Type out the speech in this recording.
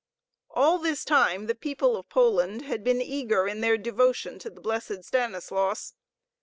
All this time the people of Poland had been eager in their devotion to the Blessed Stanislaus.